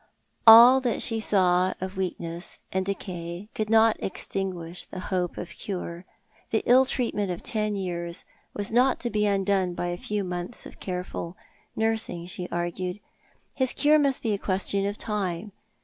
All that she saw of weakness and decay could not extinguish the hope of cure. The ill freatnient of ten years was not to be undone by a few months of careful nursing, she argued. His cure must be a question of time.